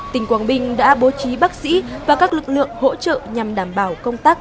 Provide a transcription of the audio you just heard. tỉnh quảng bình đã bố trí bác sĩ và các lực lượng hỗ trợ nhằm đảm bảo công tác